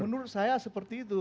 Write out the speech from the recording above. menurut saya seperti itu